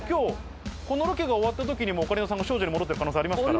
このロケが終わったときにはオカリナさん、少女に戻ってる可能性ありますから。